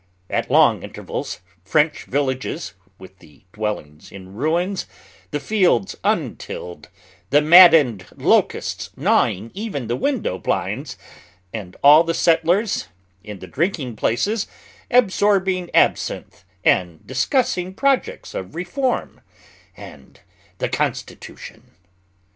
At long intervals French villages, with the dwellings in ruins, the fields untilled, the maddened locusts gnawing even the window blinds, and all the settlers in the drinking places, absorbing absinthe and discussing projects of reform and the Constitution.